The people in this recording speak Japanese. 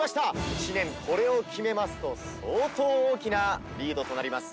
知念これを決めますと相当大きなリードとなります。